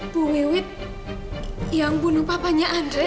bu wiwi yang bunuh papanya andri